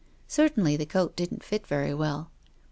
Certainly the coat didn't fit very well.